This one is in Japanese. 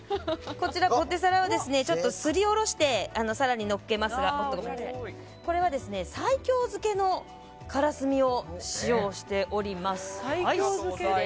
ポテサラはすりおろして皿にのせますがこれは西京漬けのからすみを使用しております。